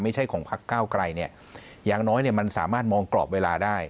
ไม่ใช่ของพักเก้าไกลเนี่ยอย่างน้อยเนี่ยมันสามารถมองกรอบเวลาได้